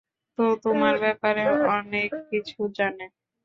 ও তোমার ব্যাপারে অনেক কিছু জানে।